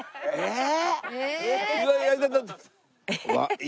えっ？